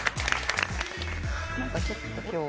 なんかちょっと今日。